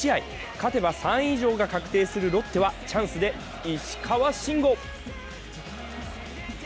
勝てば３位以上が確定するロッテはチャンスで石川慎吾。